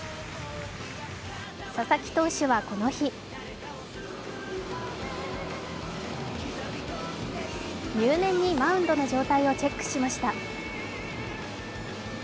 佐々木投手は、この日入念にマウンドの状態をチェックしました。